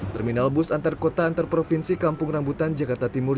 terminal bus antar kota antar provinsi kampung rambutan jakarta timur